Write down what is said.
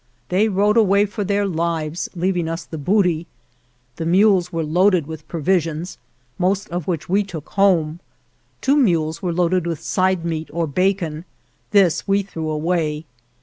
They rode away for their lives, leaving us the booty. The 61 GERONIMO mules were loaded with provisions, most of which we took home. Two mules were loaded with side meat or bacon; 2 this we threw away.